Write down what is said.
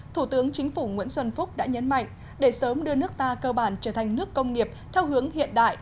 thủ tướng chính phủ nguyễn xuân phúc đã nhấn mạnh để sớm đưa nước ta cơ bản trở thành nước công nghiệp theo hướng hiện đại